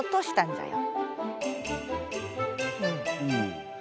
うん。